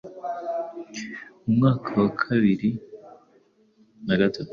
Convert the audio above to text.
Mu mwaka wa bibiri na gatatu